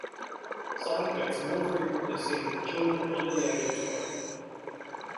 Side effects are more frequently seen with children under the age of twelve.